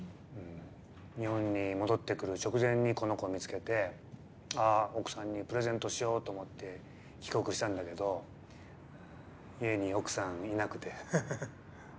日本に戻ってくる直前にこの子見つけてあっ奥さんにプレゼントしようと思って帰国したんだけど家に奥さんいなくて。